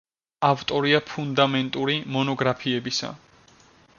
ავტორია ფუნდამენტური მონოგრაფიებისა.